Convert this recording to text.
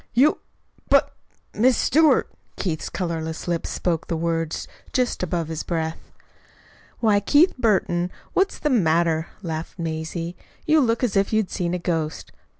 "You! but Miss Stewart!" Keith's colorless lips spoke the words just above his breath. "Why, Keith Burton, what's the matter?" laughed Mazie. "You look as if you'd seen a ghost.